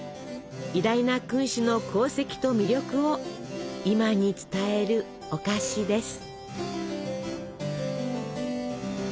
偉大な君主の功績と魅力を今に伝えるお菓子です。